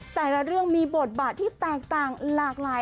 แต่ละเรื่องมีบทบาทที่แตกต่างหลากหลาย